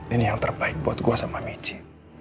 ini yang terbaik buat gue sama michi